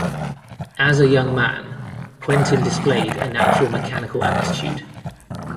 As a young man, Quentin displayed a natural mechanical aptitude.